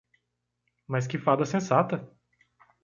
Mas que fada sensata!